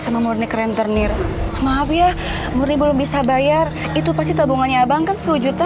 sama murni keren ternir maaf ya muridnya bisa bayar itu pasti tabungannya bangker sepuluh juta